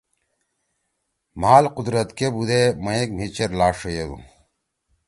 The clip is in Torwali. مھال قدرت کے بُودے مئیگ مھی چیر لاݜ ݜیدُو!